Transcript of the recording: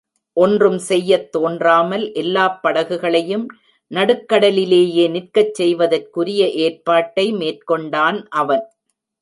ஒன்றும் செய்யத் தோன்றாமல் எல்லாப் படகுகளையும் நடுக் கடலிலேயே நிற்கச் செய்வதற்குரிய ஏற்பாட்டை மேற்கொண்டான் அவன்.